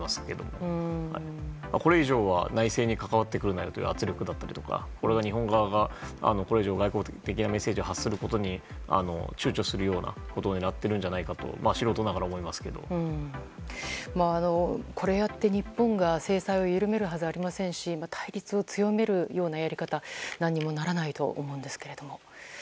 これ以上は内政に関わるなというメッセージでこれが日本側が、これ以上外交的なメッセージを発することに躊躇するようなことになってるとこれやって日本が制裁を緩めるはずありませんし対立を強めるようなやり方は何もならないと思うんですけれども。